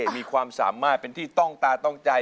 มีความสามารถเป็นที่ต้องตาต้องใจ